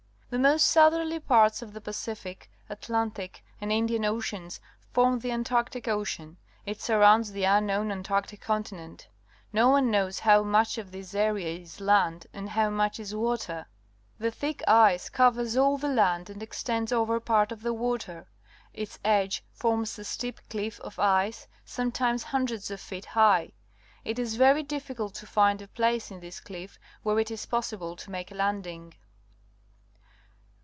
The most southerly parts of the Pacific, Atlantic, and Indian Oceans form the Ant arctic Ocean. It surrounds the unknown Antarctic Continent. No one knows how nuich of this area is land and how much is water. The thick ice covers all the land and extends over part of the water. Its edge forms a steep cliff of ice, sometimes hundreds of feet high. It is very difficult to find a place in this cliff where it is possible to make a landing.